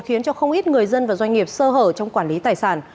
khiến cho không ít người dân và doanh nghiệp sơ hở trong quản lý tài sản